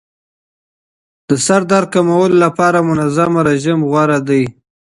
د سردرد کمولو لپاره منظم رژیم غوره دی.